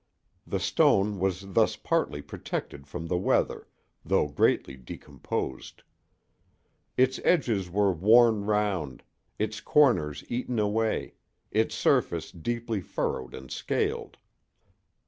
The stone was thus partly protected from the weather, though greatly decomposed. Its edges were worn round, its corners eaten away, its surface deeply furrowed and scaled.